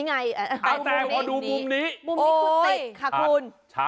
โอ้คุณติดค่ะคุณ